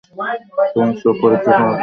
তোমাকে চোখ পরীক্ষা করাতে হবে।